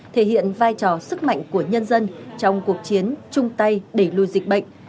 thể hiện vai trò sức mạnh của nhân dân trong cuộc chiến chung tay đẩy lùi dịch bệnh